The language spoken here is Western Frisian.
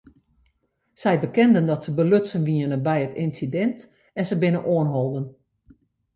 Sy bekenden dat se belutsen wiene by it ynsidint en se binne oanholden.